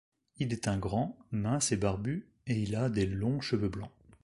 Il est un grand, mince et barbu et il a des longs cheveux blancs.